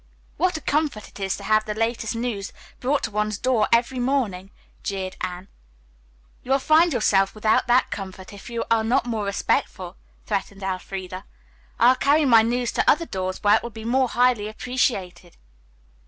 "What a comfort it is to have the latest news brought to one's door every morning," jeered Anne. "You'll find yourself without that comfort if you are not more respectful," threatened Elfreda. "I'll carry my news to other doors where it will be more highly appreciated."